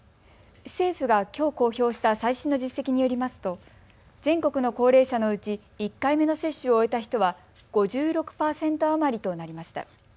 政府がきょう公表した最新の実績によりますと全国の高齢者のうち、１回目の接種を終えた人は５６％余りとなりました。